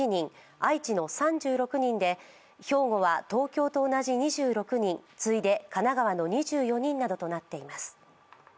愛知の３６人で兵庫は東京と同じ２６人、次いで神奈川の２４人などとなっています